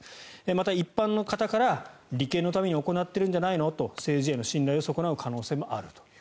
また、一般の方から利権のために行っているんじゃないかと政治への信頼を損なう可能性もあると。